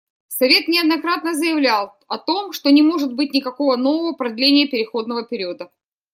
Совет неоднократно заявлял о том, что не может быть никакого нового продления переходного периода.